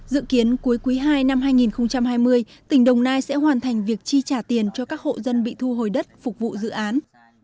dự kiến cuối quý ii năm hai nghìn hai mươi tỉnh đồng nai sẽ hoàn thành việc chi trả tiền cho các hộ dân bị thu hồi đất phục vụ dự án